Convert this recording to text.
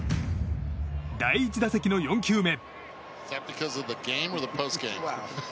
第１打席の４球目。